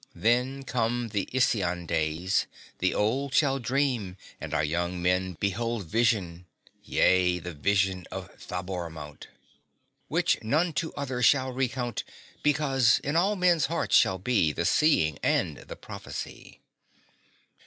Then come the Isaian days; the old Shall dream; and our young men behold Vision yea, the vision of Thabor mount, Which none to other shall recount, Because in all men's hearts shall be The seeing and the prophecy.